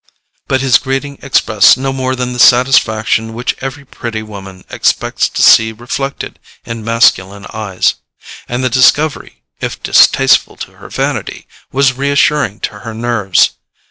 But his greeting expressed no more than the satisfaction which every pretty woman expects to see reflected in masculine eyes; and the discovery, if distasteful to her vanity, was reassuring to her nerves.